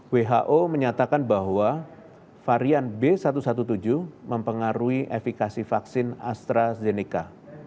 who menyatakan bahwa varian b satu satu tujuh mempengaruhi efekasi vaksin astrazeneca